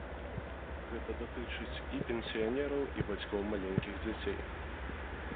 Гэта датычыць і пенсіянераў, і бацькоў маленькіх дзяцей.